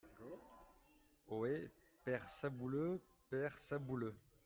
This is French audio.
Ohé ! père Sabouleux ! père Sabouleux !